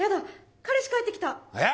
彼氏帰ってきた！